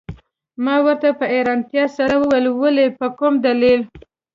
ما ورته په حیرانتیا سره وویل: ولي، په کوم دلیل؟